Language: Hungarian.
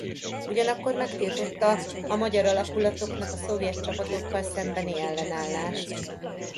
Ugyanakkor megtiltotta a magyar alakulatoknak a szovjet csapatokkal szembeni ellenállást.